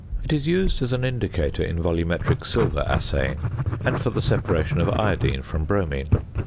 It is used as an indicator in volumetric silver assaying, and for the separation of iodine from bromine.